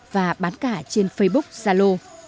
và bán cả trên facebook zalo